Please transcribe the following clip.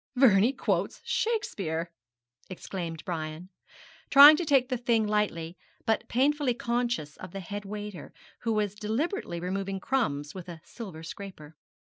'Vernie quotes Shakespeare,' exclaimed Brian, trying to take the thing lightly, but painfully conscious of the head waiter, who was deliberately removing crumbs with a silver scraper.